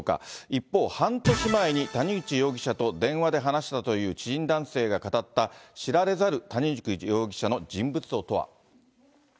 一方、半年前に谷口容疑者と電話で話したという知人男性が語った、知られざる谷口容疑者の人物像とは。